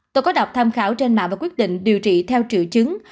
tôi có đọc tham khảo trên mạng và quyết định điều trị theo triệu chứng